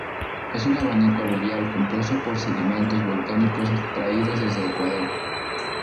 Es un abanico aluvial compuesto por sedimentos volcánicos traídos desde Ecuador.